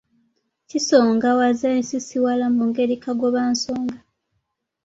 Kisongawaza ensisiwala mu ngeri kagobansonga